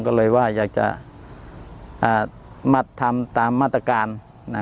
ก็เลยว่าอยากจะอ่ามาทำตามมาตรการนะ